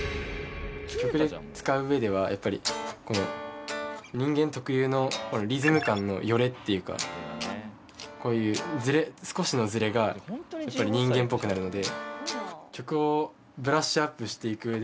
曲で使ううえではやっぱりこの人間特有のリズム感のよれっていうかこういう少しのずれがやっぱり人間っぽくなるので。